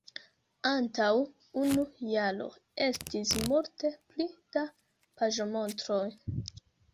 antaŭ unu jaro estis multe pli da paĝomontroj.